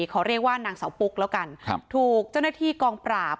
ขอเรียกว่านางเสาปุ๊กแล้วกันครับถูกเจ้าหน้าที่กองปราบ